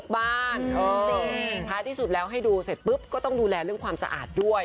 มีนะเภาะที่มันเป็นทะเพาะเลย